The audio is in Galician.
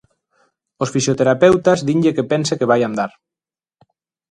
Os fisioterapeutas dinlle que pense que vai andar.